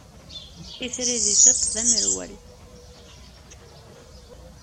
Itri di tiṭ, d amerwal.